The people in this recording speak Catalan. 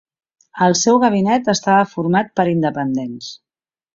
El seu gabinet estava format per independents.